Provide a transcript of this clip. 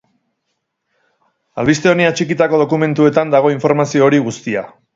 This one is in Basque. Albiste honi atxikitako dokumentuetan dago informazio hori guztia.